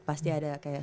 pasti ada kayak